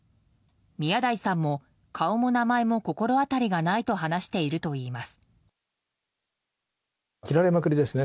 宮台さんも顔も名前も心当たりがないと話しているといいます。